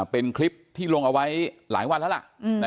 เป็นคลิปที่ลงเอาไว้หลายวันแล้วล่ะ